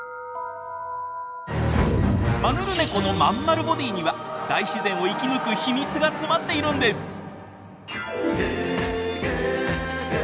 マヌルネコのまんまるボディーには大自然を生き抜く秘密が詰まっているんです！